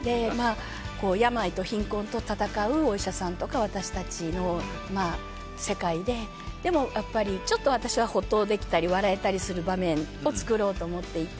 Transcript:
病と貧困と闘うお医者さんとか私たちの世界ででも、ちょっと私はほっとできたり笑えたりできたりする場面を作ろうと思っていて。